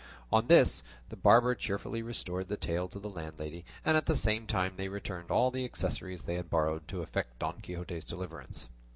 On this the barber cheerfully restored the tail to the landlady, and at the same time they returned all the accessories they had borrowed to effect Don Quixote's deliverance.